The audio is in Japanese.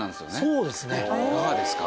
いかがですか？